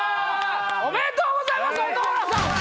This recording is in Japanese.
おめでとうございます蛍原さん！